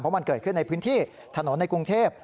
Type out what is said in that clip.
มันเกิดขึ้นในพื้นที่ถนนในกรุงเทพ